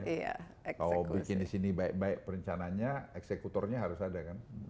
kalau bikin di sini baik baik perencanaannya eksekutornya harus ada kan